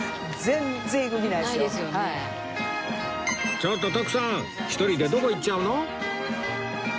ちょっと徳さん１人でどこ行っちゃうの？